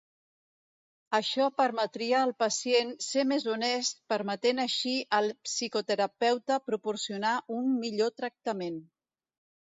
Això permetria al pacient ser més honest permetent així al psicoterapeuta proporcionar un millor tractament.